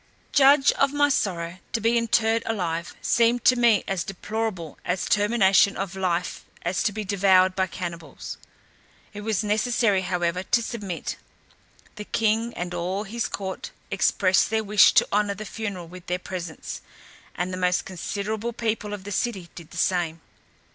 Judge of my sorrow; to be interred alive, seemed to me as deplorable a termination of life as to be devoured by cannibals. It was necessary, however, to submit. The king and all his court expressed their wish to honour the funeral with their presence, and the most considerable people of the city did the same.